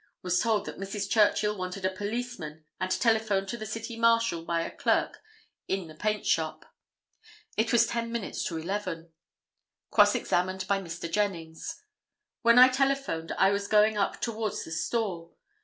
Was told that Mrs. Churchill wanted a policeman and telephoned to the City Marshal by a clerk in the paint shop. It was ten minutes to 11. Cross examined by Mr. Jennings—"When I telephoned I was going up towards the store.